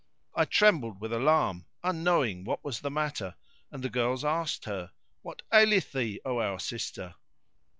I trembled with alarm, unknowing what was the matter, and the girls asked her, "What aileth thee, O our sister?"